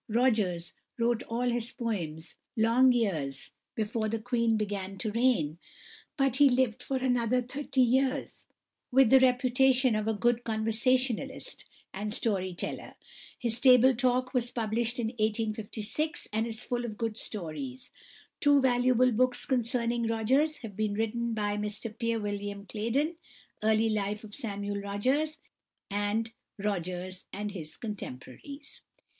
Rogers wrote all his poems long years before the Queen began to reign, but he lived for another thirty years with the reputation of a good conversationalist and story teller. His "Table Talk" was published in 1856, and it is full of good stories. Two valuable books concerning Rogers have been written by Mr Peter William Clayden, "Early Life of Samuel Rogers," and "Rogers and His Contemporaries."